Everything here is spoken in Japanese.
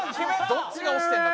どっちが押してるんだ？